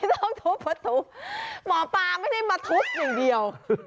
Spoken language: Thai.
ต้องทุบประตูหมอปลาไม่ได้มาทุบอย่างเดียว